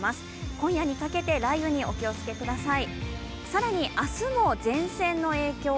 今夜にかけて雷雨にお気をつけください。